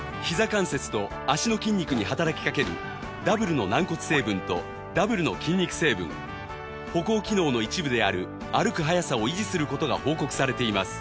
関節と脚の筋肉に働きかけるダブルの軟骨成分とダブルの筋肉成分歩行機能の一部である歩く早さを維持する事が報告されています